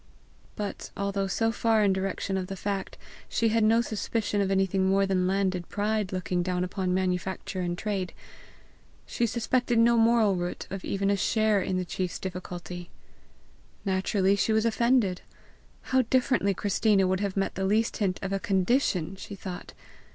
But, although so far in the direction of the fact, she had no suspicion of anything more than landed pride looking down upon manufacture and trade. She suspected no moral root of even a share in the chief's difficulty. Naturally, she was offended. How differently Christina would have met the least hint of a CONDITION, she thought.